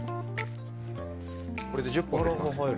これで１０分置いておきます。